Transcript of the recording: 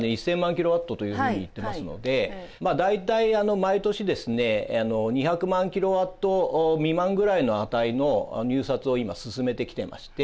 キロワットというふうに言ってますので大体毎年ですね２００万キロワット未満ぐらいの値の入札を今進めてきてまして。